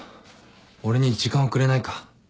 俺に時間をくれないか？